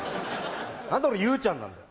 何で俺佑ちゃんなんだよ